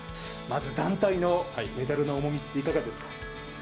まず団体のメダルの重み、いかがですか。